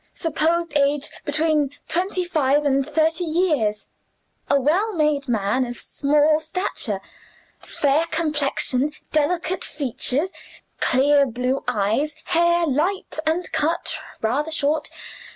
Supposed age, between twenty five and thirty years. A well made man, of small stature. Fair complexion, delicate features, clear blue eyes. Hair light, and cut rather short.